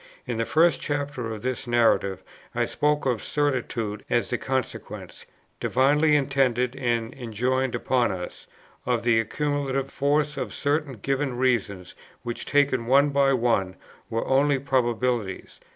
In the first chapter of this Narrative I spoke of certitude as the consequence, divinely intended and enjoined upon us, of the accumulative force of certain given reasons which, taken one by one, were only probabilities.